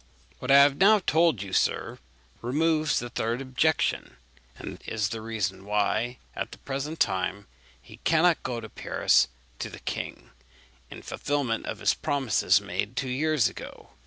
What I have now told you, sir, removes the third objection, and is the reason why, at the present time, he cannot go to Paris to the king, in fulfilment of his promises made two years ago.